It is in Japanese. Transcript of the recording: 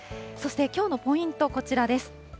そして、きょうのポイント、こちらです。